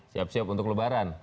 siap siap untuk lebaran